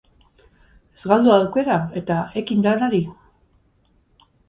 Ez galdu aukera, eta ekin lanari!